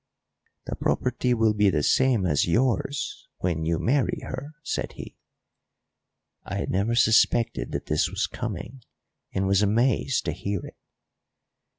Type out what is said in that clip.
"The property will be the same as yours when you marry her," said he. I had never suspected that this was coming, and was amazed to hear it.